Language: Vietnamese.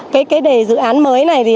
cái đề dự án mới này